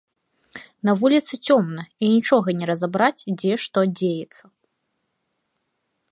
На вуліцы цёмна, і нічога не разабраць, дзе што дзеецца.